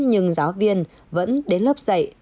nhưng giáo viên vẫn đến lớp dạy